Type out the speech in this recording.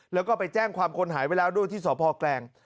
แล้วก็ไปแจ้งความคนหายไว้แล้วด้วยที่สพแกลง